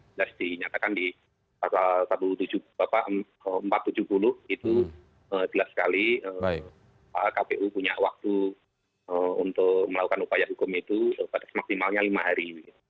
jelas dinyatakan di pasal empat ratus tujuh puluh itu jelas sekali kpu punya waktu untuk melakukan upaya hukum itu pada semaksimalnya lima hari